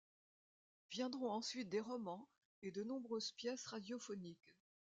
Viendront ensuite des romans et de nombreuses pièces radiophoniques.